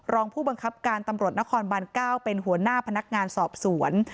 รองผู้บังคับการตำรวจนครบาน๙เป็นหัวหน้าพนักงานสอบสวน